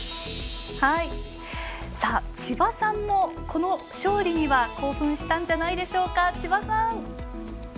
千葉さんも、この勝利には興奮したんじゃないでしょうか。